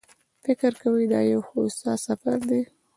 فکر کوي دا یو هوسا سفر دی.